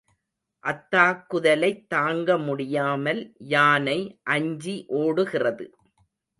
அத்தாக்குதலைத் தாங்க முடியாமல் யானை அஞ்சி ஓடுகிறது.